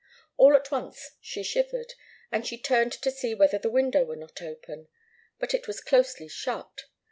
All at once she shivered, and she turned to see whether the window were not open. But it was closely shut.